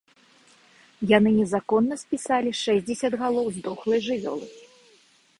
Яны незаконна спісалі шэсцьдзесят галоў здохлай жывёлы.